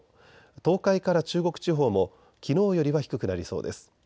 東海から中国地方もきのうよりは低くなりそうです。